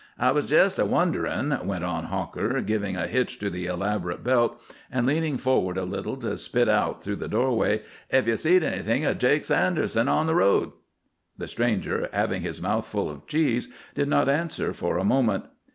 "I was jest a wonderin'," went on Hawker, giving a hitch to the elaborate belt and leaning forward a little to spit out through the doorway, "if ye've seed anything o' Jake Sanderson on the road." The stranger, having his mouth full of cheese, did not answer for a moment.